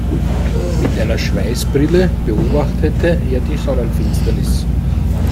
Mit einer Schweißbrille beobachtete er die Sonnenfinsternis.